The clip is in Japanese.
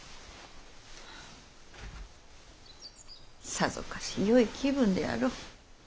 さぞかしよい気分であろう。